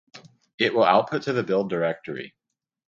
It will output to the build directory